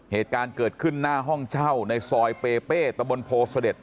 เหตุการณ์เกิดขึ้นหน้าห้องเช่าในซอยเปเป้ตะบนโพเสด็จ